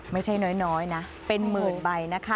ไม่ใช่น้อยนะเป็นหมื่นใบนะคะ